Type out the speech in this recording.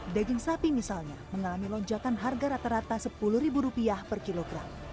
daging sapi misalnya mengalami lonjakan harga rata rata rp sepuluh per kilogram